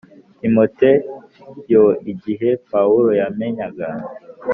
Timoteyo Igihe Pawulo yamenyaga